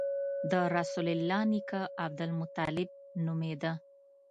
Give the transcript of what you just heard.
د رسول الله نیکه عبدالمطلب نومېده.